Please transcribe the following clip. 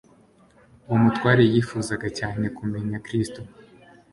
Uwo mutware yifuzaga cyane kumenya Kristo.